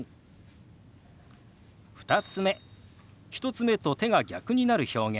１つ目と手が逆になる表現。